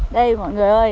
đây mọi người ơi